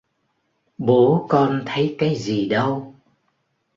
Bố con thấy cái gì đâu